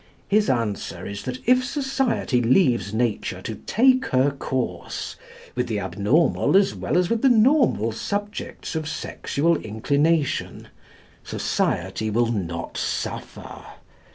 His answer is that if society leaves nature to take her course, with the abnormal as well as with the normal subjects of sexual inclination, society will not suffer.